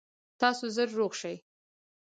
تاسو ژر روغ شئ